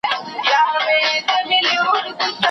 هم به حوري هم غلمان وي خو جنت به پکښي نه وي